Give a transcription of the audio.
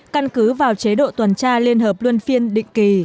căn cứ vào chế độ tuần tra liên hợp luân phiên định kỳ